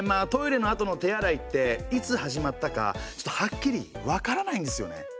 トイレのあとの手洗いっていつ始まったかちょっとはっきり分からないんですよね。